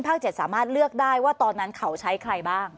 ๗สามารถเลือกได้ว่าตอนนั้นเขาใช้ใครบ้าง